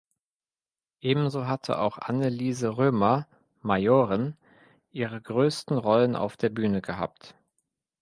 Ebenso hatte auch Anneliese Römer (Majorin) ihre größten Rollen auf der Bühne gehabt.